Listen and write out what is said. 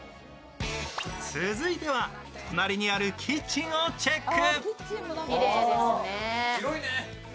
続いては隣にあるキッチンをチェック。